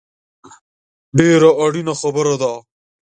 ډېره اړینه خبره ده